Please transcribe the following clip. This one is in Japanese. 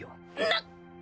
なっ！